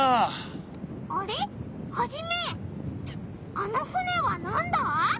あの船はなんだ？